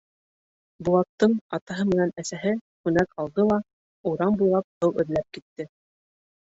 Булаттың атаһы менән әсәһе күнәк алды ла урам буйлап һыу эҙләп китте.